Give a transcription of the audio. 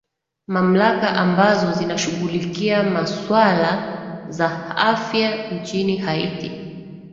mamlaka ambazo zinashughulikia maswala za afya nchini haiti